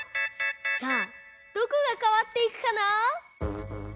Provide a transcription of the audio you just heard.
さあどこがかわっていくかな？